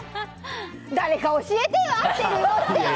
誰か教えてよ合ってるよって！